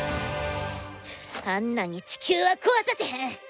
あんなんに地球は壊させへん。